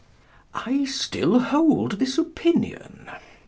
I still hold this opinion.